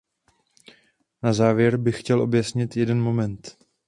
Na závěr bych chtěl objasnit jeden moment.